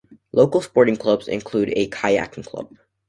Local sporting clubs include a kayaking club.